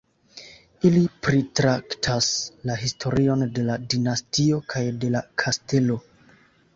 Ili pritraktas la historion de la dinastio kaj de la kastelo.